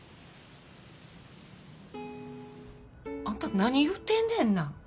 あんた何言うてんねんな。